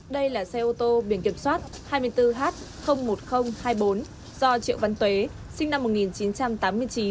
đây là xe ô tô biển kiểm soát hai mươi bốn h một nghìn hai mươi bốn do triệu văn tế sinh năm một nghìn chín trăm tám mươi chín